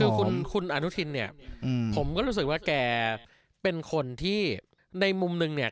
คือคุณอนุทินเนี่ยผมก็รู้สึกว่าแกเป็นคนที่ในมุมนึงเนี่ย